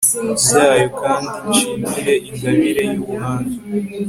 byayo, kandi nshimire ingabire y'ubuhanga